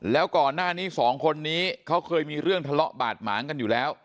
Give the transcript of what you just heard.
แล้วก่อนหน้านี้สองคนนี้เขาเคยมีเรื่องทะเลาะบาดหมางกันอยู่แล้ว